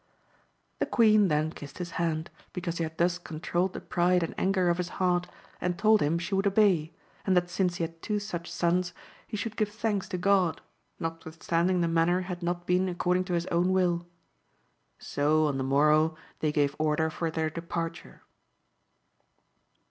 The queen then kissed his hand, because he had thus controuled the pride and anger of his heart, and told him she would obey, and that since he had two such sons, he should give thanks to God, notwithstanding the manner had not been according to his own will. So on the morrow they gave order for their departure.